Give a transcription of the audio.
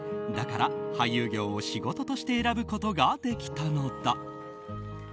だから、俳優業を仕事として選ぶことができたのだ。